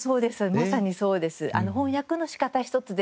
まさにそうです。